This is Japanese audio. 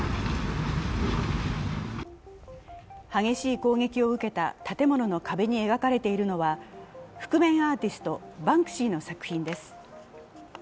激しい攻撃を受けた建物の壁に描かれているのは覆面アーティスト、バンクシーの作品です。